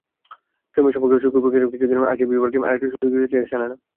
প্রেমের সম্পর্ক চুকেবুকে গেলেও কিছুদিন আগে বিবারকে আরেকটা সুযোগ দিতে চেয়েছিলেন সেলেনা।